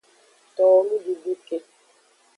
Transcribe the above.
Towo nududu ke.